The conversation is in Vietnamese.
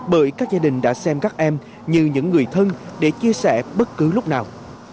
bởi các gia đình đã xem các em như những người thân để chia sẻ bất cứ lúc nào